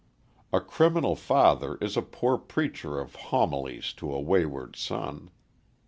A criminal father is a poor preacher of homilies to a wayward son.